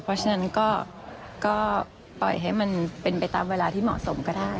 เพราะฉะนั้นก็ปล่อยให้มันเป็นไปตามเวลาที่เหมาะสมก็ได้